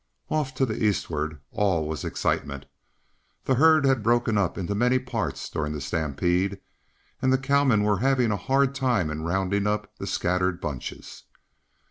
Off to the eastward, all was still excitement. The herd had broken up into many parts during the stampede and the cowmen were having a hard time in rounding up the scattered bunches.